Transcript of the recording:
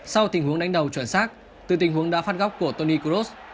sau tình huống đánh đầu chuẩn sát từ tình huống đã phát góc của toni kroos